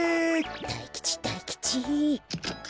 大吉大吉。